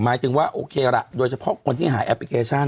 หมายถึงว่าโอเคล่ะโดยเฉพาะคนที่หาแอปพลิเคชัน